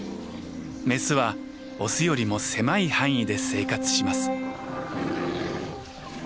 メスはオスよりも狭い範囲で生活します。